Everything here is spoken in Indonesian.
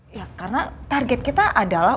ya karena target kita adalah